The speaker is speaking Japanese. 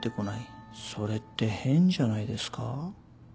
それって変じゃないですか？